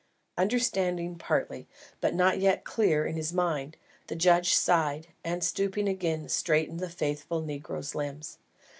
Understanding partly, but not yet quite clear in his mind, the judge sighed, and stooping again, straightened the faithful negro's limbs.